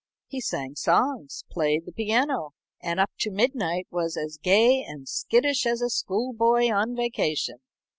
He sang songs, played the piano, and up to midnight was as gay and skittish as a school boy on vacation.